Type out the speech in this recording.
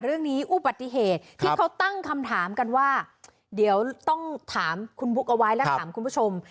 อุบัติเหตุที่เขาตั้งคำถามกันว่าเดี๋ยวต้องถามคุณบุ๊คเอาไว้และถามคุณผู้ชม